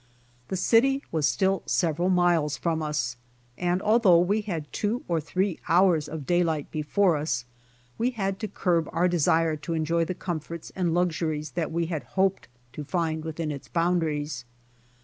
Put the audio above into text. The city was still several miles from us, and although we had two or three hours of daylight before us, we had to curb our desire to enjoy the comforts and luxuries that we had hoped to find within its boundaries.